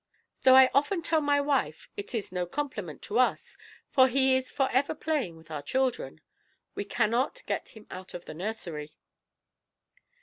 Though I often tell my wife it is no compliment to us, for he is for ever playing with our children; we cannot get him out of the nursery."